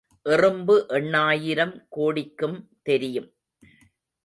எறும்பு எண்ணாயிரம் கோடிக்கும் தெரியும்.